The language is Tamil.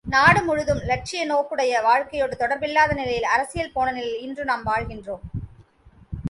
நாடு முழுதும் இலட்சிய நோக்குடைய வாழ்க்கையோடு தொடர்பில்லாத நிலையில் அரசியல் போனநிலையில் இன்று நாம் வாழ்கின்றோம்.